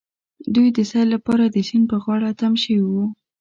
دوی د سيل لپاره د سيند په غاړه تم شوي وو.